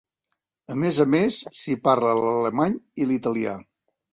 A més a més, s'hi parla l'alemany i l'italià.